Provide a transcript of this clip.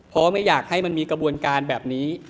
เพราะไม่อยากให้มันมีกระบวนการแบบนี้